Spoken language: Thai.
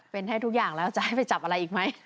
เป็นให้ทุกอย่างแล้วจะให้ไปจับอะไรอีกไหม